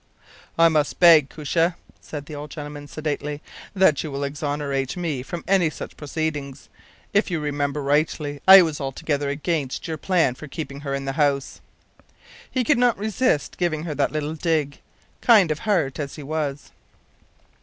” “I must beg, Koosje,” said the old gentleman, sedately, “that you will exonerate me from any such proceeding. If you remember rightly, I was altogether against your plan for keeping her in the house.” He could not resist giving her that little dig, kind of heart as he was.